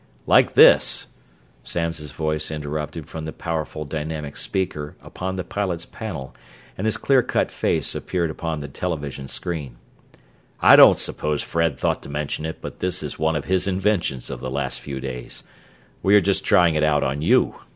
"Like this," Samms' voice interrupted from the powerful dynamic speaker upon the pilots' panel and his clear cut face appeared upon the television screen. "I don't suppose Fred thought to mention it, but this is one of his inventions of the last few days. We are just trying it out on you.